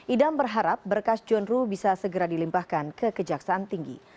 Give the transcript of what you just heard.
idam berharap berkas john ruh bisa segera dilimpahkan ke kejaksaan tinggi